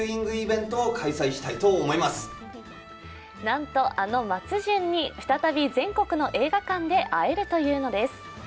なんとあの松潤に再び全国の映画館で会えるというのです。